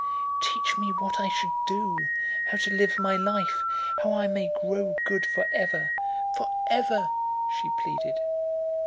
"Teach me what I should do, how to live my life, how I may grow good forever, forever!" she pleaded.